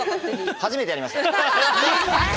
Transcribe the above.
初めてやりました。